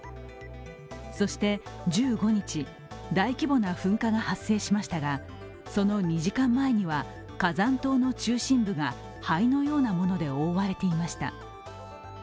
そして１５日、大規模な噴火が発生しましたが、その２時間前には、火山島の中心部が灰のようなもので覆われていました。